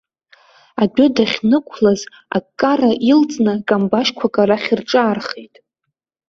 Адәы дахьнықәлаз, аккара илҵны камбашьқәак арахь рҿаархеит.